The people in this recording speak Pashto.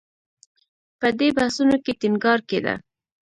په دې بحثونو کې ټینګار کېده